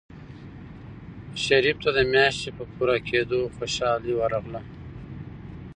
شریف ته د میاشتې په پوره کېدو خوشحالي ورغله.